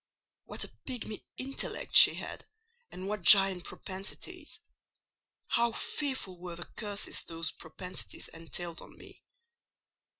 What a pigmy intellect she had, and what giant propensities! How fearful were the curses those propensities entailed on me!